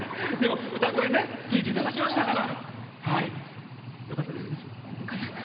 歌声を聴いていただきましたから。